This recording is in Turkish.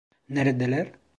Neredeler?